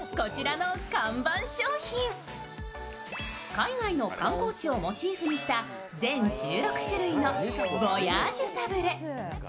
海外の観光地をモチーフにした全１６種類のヴォヤージュサブレ。